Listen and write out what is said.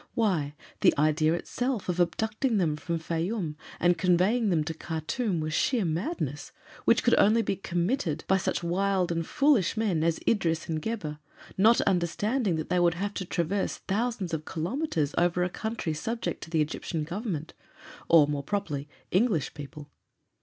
Why, the idea itself of abducting them from Fayûm and conveying them to Khartûm was sheer madness which could be committed only by such wild and foolish men as Idris and Gebhr, not understanding that they would have to traverse thousands of kilometers over a country subject to the Egyptian Government or, more properly, English people.